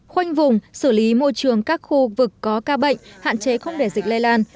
khoanh vùng xử lý môi trường các khu vực có ca bệnh hạn chế không để dịch lây lan